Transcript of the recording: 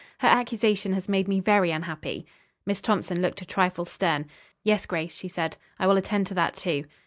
Her accusation has made me very unhappy." Miss Thompson looked a trifle stern. "Yes, Grace," she said, "I will attend to that, too."